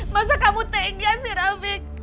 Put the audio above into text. masa kamu tegas sih rafiq